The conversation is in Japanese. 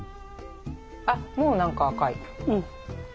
あっもう何か赤い。